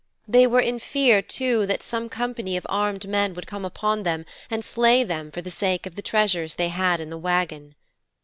They were in fear too that some company of armed men would come upon them and slay them for the sake of the treasures they had in the wagon.'